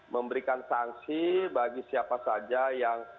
memberikan sanksi bagi siapa saja yang